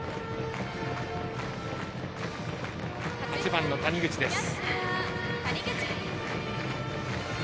８番、谷口です。